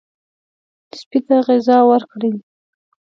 سپي ته غذا ورکړئ.